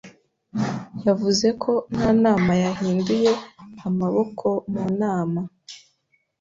Yavuze ko nta nama yahinduye amaboko mu nama.